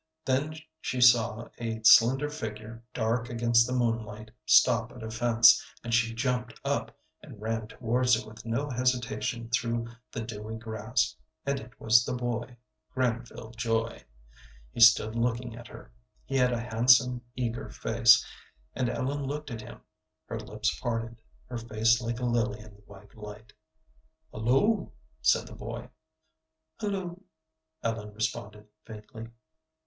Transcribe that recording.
Then she saw a slender figure dark against the moonlight stop at a fence, and she jumped up and ran towards it with no hesitation through the dewy grass; and it was the boy, Granville Joy. He stood looking at her. He had a handsome, eager face, and Ellen looked at him, her lips parted, her face like a lily in the white light. "Hulloo," said the boy. "Hulloo," Ellen responded, faintly.